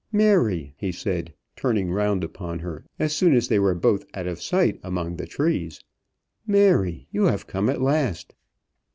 "Mary," he said, turning round upon her as soon as they were both out of sight among the trees. "Mary, you have come at last."